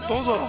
どうぞ。